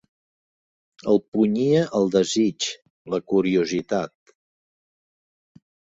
El punyia el desig, la curiositat.